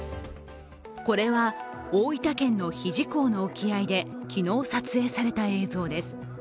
これは大分県の日出港の沖合で昨日撮影された映像です。